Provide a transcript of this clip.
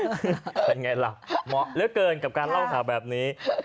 เป็นไงล่ะเหมาะเหลือเกินกับการเล่าข่าวแบบนี้